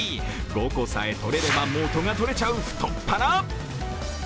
５個さえ取れれば、もとがとれちゃう太っ腹。